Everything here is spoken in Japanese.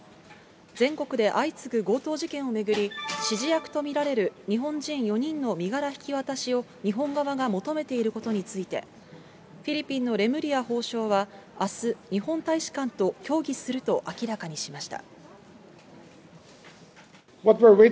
全国で相次ぐ強盗事件を巡り、指示役と見られる日本人４人の身柄引き渡しを日本側が求めていることについて、フィリピンのレムリヤ法相はあす、日本大使館と協議すると明らかにしました。